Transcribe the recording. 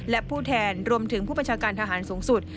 และผู้แทนรวมถึงผู้บัญชาการทหารสูงสุด